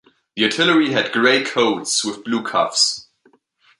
The artillery had grey coats with blue cuffs.